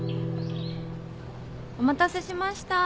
・お待たせしました。